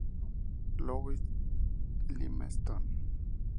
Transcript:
Louis Limestone.